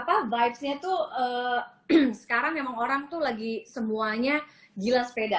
karena emang apa vibesnya tuh sekarang emang orang tuh lagi semuanya gila sepeda